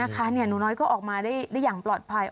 หนูน้อยก็ออกมาได้อย่างปลอดภัย